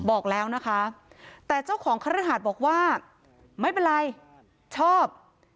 บอกแล้วนะคะแต่เจ้าของคฤหาสบอกว่าไม่เป็นไรชอบ